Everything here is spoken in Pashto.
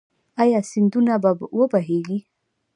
آیا سیندونه به و بهیږي؟